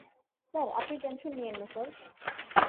Sir, আপনি tension নিয়েন না, স্যার।